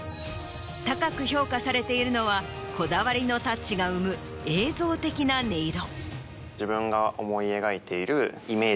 高く評価されているのはこだわりのタッチが生む映像的な音色。